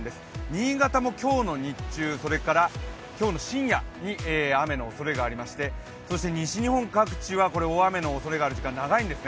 新潟も今日の日中、今日の深夜に雨のおそれがありましてそして、西日本各地は雨の降る時間が長いんです。